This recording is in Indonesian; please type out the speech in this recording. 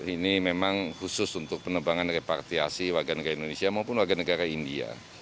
ini memang khusus untuk penerbangan repartiasi warga negara indonesia maupun warga negara india